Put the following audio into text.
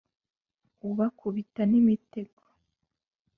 Ubakubita n'imitego